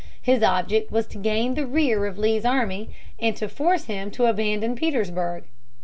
His object was to gain the rear of Lee's army and to force him to abandon Petersburg.